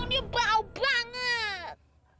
ini bau banget